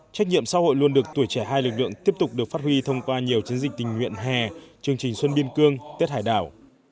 trách nhiệm xã hội luôn được tuổi trẻ hai lực lượng tiếp tục được phát huy thông qua nhiều chiến dịch tình nguyện hè chương trình xuân biên cương tết hải đảo